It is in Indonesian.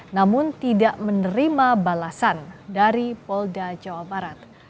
namun tidak menerima balasan dari polda jawa barat